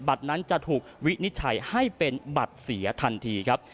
บัตรนั้นจะถูกวินิจฉัยให้เป็นบัตรเสียทันทีครับ